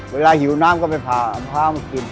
เวลาหิวน้ำก็ไปพามะพร้าพี่นั้นมากิน